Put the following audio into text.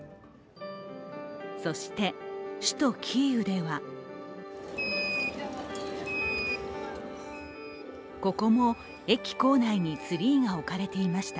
そして、首都キーウではここも駅構内にツリーが置かれていました。